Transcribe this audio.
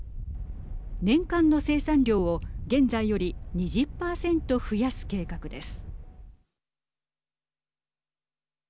年間の生産量を現在より２０％増やす計画です。